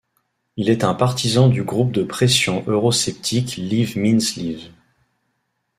Il est un partisan du groupe de pression eurosceptique Leave Means Leave.